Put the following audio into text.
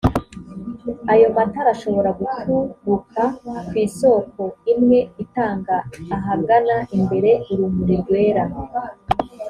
ayo matara ashobora guturuka kw isoko imwe itanga ahagana imbere urumuli rwera